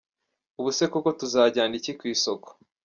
Ubu se koko tuzajyana iki ku isoko?’’.